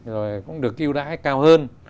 rồi cũng được yêu đại cao hơn